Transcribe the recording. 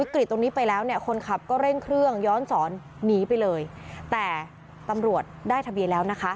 คนขับก็เร่งเครื่องย้อนสอนหนีไปเลยแต่ตำรวจได้ทะเบียนแล้วนะคะ